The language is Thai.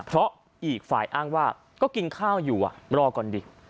เพราะอีกฝ่ายอ้างว่าก็กินข้าวอยู่รอก่อนดิ